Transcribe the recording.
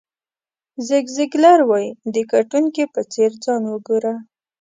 زیګ زیګلر وایي د ګټونکي په څېر ځان وګوره.